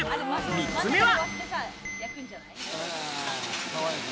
３つ目は。